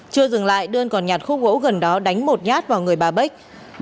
chưa dừng lại đương còn nhạt khu gỗ gần đó đánh một nhát vào người bà bách